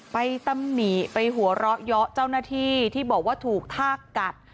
ตำหนิไปหัวเราะเยาะเจ้าหน้าที่ที่บอกว่าถูกทากกัด